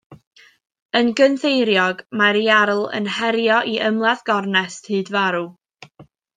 Yn gynddeiriog, mae'r Iarll yn ei herio i ymladd gornest hyd farw.